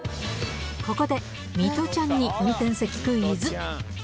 ここで水卜ちゃんに運転席クイズ。